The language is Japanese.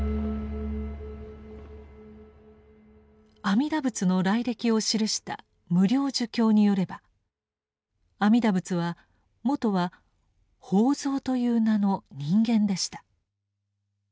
阿弥陀仏の来歴を記した「無量寿経」によれば阿弥陀仏はもとは「法蔵」という名の人間でした。